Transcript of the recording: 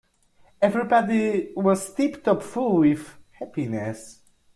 Everybody was tip-top full with happiness.